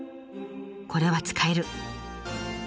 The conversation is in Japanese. これは使える！